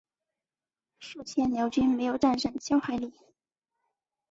数千辽军没有战胜萧海里。